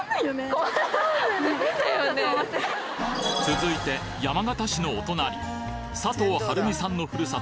続いて山形市のお隣佐藤晴美さんの故郷